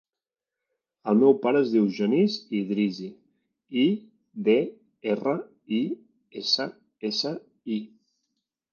El meu pare es diu Genís Idrissi: i, de, erra, i, essa, essa, i.